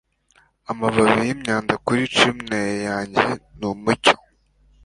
Amababi yimyanda kuri chimney yanjye yumucyo